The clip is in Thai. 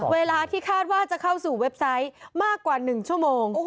เวลาที่คาดว่าจะเข้าสู่เว็บไซต์มากกว่า๑ชั่วโมง